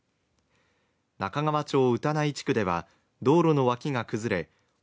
中川町歌内地区では道路の脇が崩れ